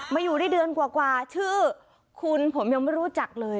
อยู่ได้เดือนกว่าชื่อคุณผมยังไม่รู้จักเลย